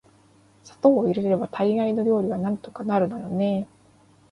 砂糖を入れれば大概の料理はなんとかなるのよね～